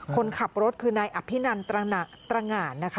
คนขับรถคือนายอภินันตรงานนะคะ